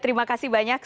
terima kasih banyak